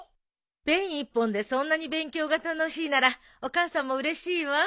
ペン一本でそんなに勉強が楽しいならお母さんもうれしいわ。